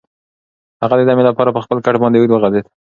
هغه د دمې لپاره په خپل کټ باندې اوږد وغځېد.